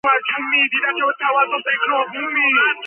წარსულის ამბების თხრობისას გამოიყენება სილუეტები.